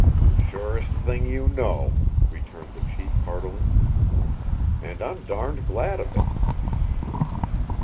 "Surest thing you know," returned the chief heartily. "And I'm darned glad of it!"